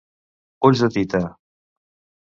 Ulls de tita.